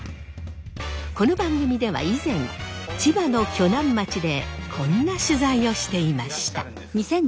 この番組では以前千葉の鋸南町でこんな取材をしていました。